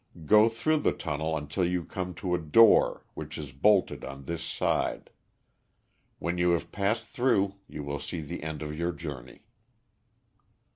Go through the tunnel until you come to a door, which is bolted on this side. When you have passed through, you will see the end of your journey."